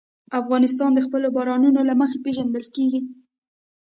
افغانستان د خپلو بارانونو له مخې پېژندل کېږي.